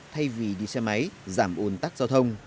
thay vì đi xe máy giảm ồn tắc giao thông